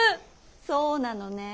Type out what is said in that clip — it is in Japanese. そうなのねえ。